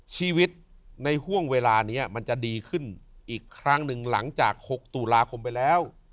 ชีวิตในห่วงเวลานี้มันจะดีขึ้นอีกครั้งหนึ่งหลังจาก๖ตุลาคมไปแล้ว